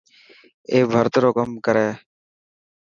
اي رو ڀرت رو ڪم ڪري.